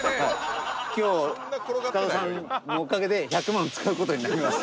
今日塚田さんのおかげで１００万使うことになります。